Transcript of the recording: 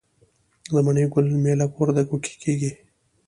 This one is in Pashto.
د مڼې ګل میله په وردګو کې کیږي.